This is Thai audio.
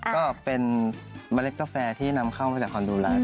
ก็เป็นเมล็ดกาแฟที่นำเข้ามาจากคอนโดรนด